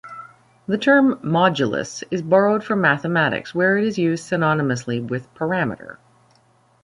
The term "modulus" is borrowed from mathematics, where it is used synonymously with "parameter".